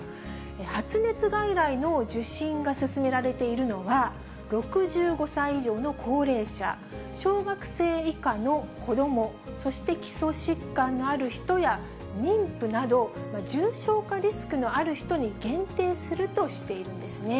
発熱外来の受診が勧められているのは、６５歳以上の高齢者、小学生以下の子ども、そして基礎疾患のある人や妊婦など、重症化リスクのある人に限定するとしているんですね。